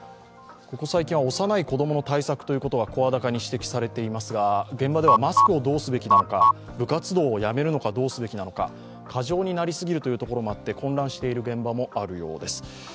ここ最近は幼い子供の対策が声高に指摘されていますが、現場ではマスクをどうすべきなのか、部活動をやめるのかどうすべきなのか、過剰になり過ぎるということもあって混乱している現場もあるようです。